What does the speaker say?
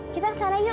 kita kesana yuk